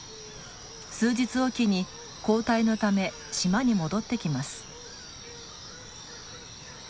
数日置きに交代のため島に戻ってきます。